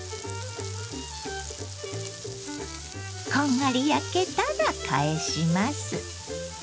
こんがり焼けたら返します。